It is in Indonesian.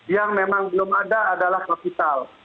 yang memang belum ada adalah kapital